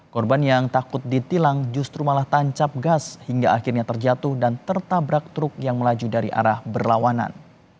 korban yang takut ditilang justru malah tancap gas hingga akhirnya terjatuh dan tertabrak truk yang melaju dari arah berlawanan